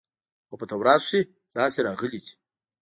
او په تورات کښې داسې راغلي دي.